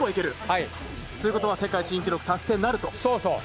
ということは世界新記録達成なると？